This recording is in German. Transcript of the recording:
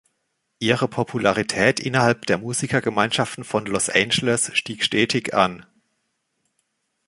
Ihre Popularität innerhalb der Musikergemeinschaften von Los Angeles stieg stetig an.